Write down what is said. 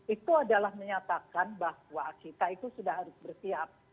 itu adalah menyatakan bahwa kita itu sudah harus bersiap